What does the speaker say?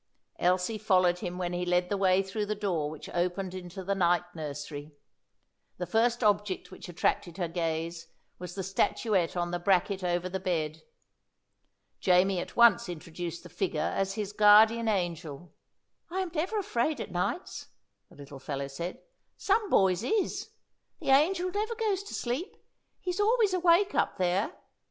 Elsie followed him when he led the way through the door which opened into the night nursery. The first object which attracted her gaze was the statuette on the bracket over the bed. Jamie at once introduced the figure as his guardian angel. "I am never afraid at nights," the little fellow said. "Some boys is. The angel never goes to sleep; he's always awake up there.